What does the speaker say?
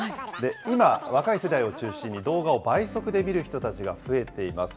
今、若い世代を中心に動画を倍速で見る人たちが増えています。